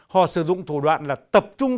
họ sử dụng thủ đoạn là tập trung